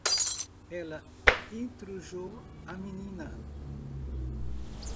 Ela intrujou a menina.